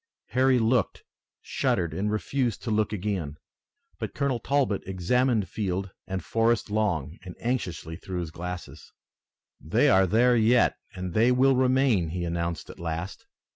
Harry looked, shuddered and refused to look again. But Colonel Talbot examined field and forest long and anxiously through his glasses. "They are there yet, and they will remain," he announced at last.